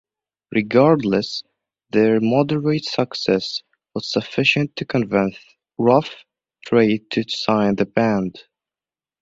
Regardless, their moderate success was sufficient to convince Rough Trade to sign the band.